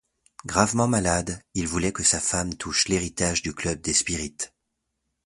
Gravement malade, il voulait que sa femme touche l'héritage du Club des Spirites.